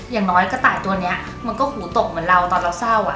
อย่างน้อยกระต่ายตัวนี้มันก็หูตกเหมือนเราตอนเราเศร้าอ่ะ